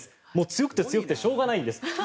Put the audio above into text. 強くて強くてしょうがないんです。